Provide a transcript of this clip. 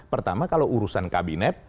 pertama kalau urusan kabinet